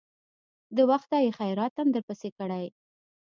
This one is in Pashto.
د وخته يې خيراتم درپسې کړى.